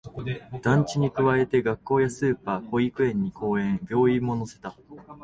団地に加えて、学校やスーパー、保育園に公園、病院も乗せた